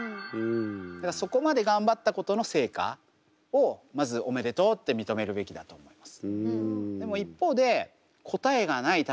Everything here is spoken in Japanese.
だからそこまで頑張ったことの成果をまずおめでとうって認めるべきだと思います。